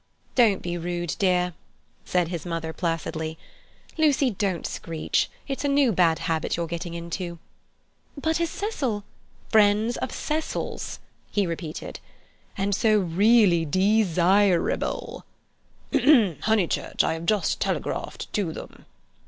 "Don't be rude, dear," said his mother placidly. "Lucy, don't screech. It's a new bad habit you're getting into." "But has Cecil—" "Friends of Cecil's," he repeated, "'and so really dee sire rebel. Ahem! Honeychurch, I have just telegraphed to them.